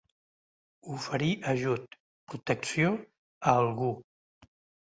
Oferir ajut, protecció, a algú.